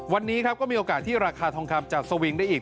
วันนี้ครับก็มีโอกาสที่ราคาทองคำจัดสวิงได้อีก